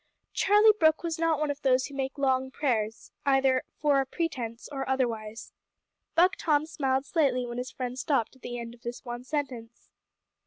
Charlie Brooke was not one of those who make long prayers, either "for a pretence" or otherwise. Buck Tom smiled slightly when his friend stopped at the end of this one sentence.